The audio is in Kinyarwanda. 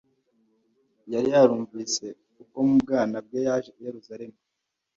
Yari yarumvise uko mu bwana bwe Yaje i Yerusalemu,